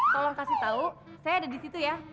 tolong kasih tahu saya ada di situ ya